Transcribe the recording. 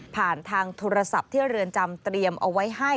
ทางโทรศัพท์ที่เรือนจำเตรียมเอาไว้ให้